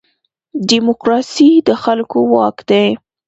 دیموکراسي د خلکو واک دی